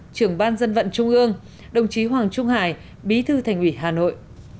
trưởng ban dân vận trung ương đồng chí hoàng trung hải bí thư thành ủy hà nội